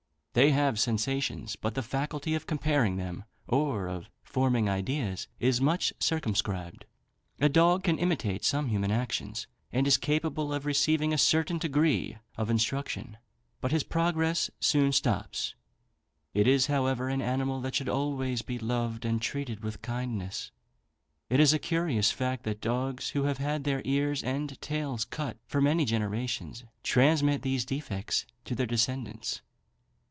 They have sensations, but their faculty of comparing them, or of forming ideas, is much circumscribed. A dog can imitate some human actions, and is capable of receiving a certain degree of instruction; but his progress soon stops. It is, however, an animal that should always be loved and treated with kindness. It is a curious fact, that dogs who have had their ears and tails cut for many generations, transmit these defects to their descendants.